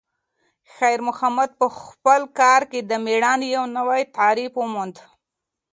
خیر محمد په خپل کار کې د میړانې یو نوی تعریف وموند.